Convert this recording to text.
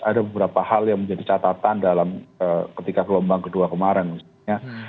ada beberapa hal yang menjadi catatan dalam ketika gelombang kedua kemarin misalnya